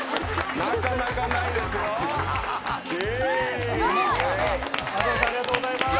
なかなかないですよ。